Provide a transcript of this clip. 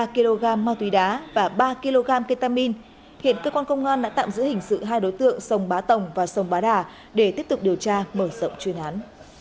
ba kg ma túy đá và ba kg ketamin hiện cơ quan công an đã tạm giữ hình sự hai đối tượng sông bá tồng và sông bá đà để tiếp tục điều tra mở rộng chuyên án